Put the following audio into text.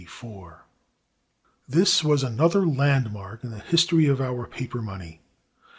This was another landmark in the history of our paper money.